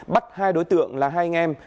bắt hai đối tượng là hai anh em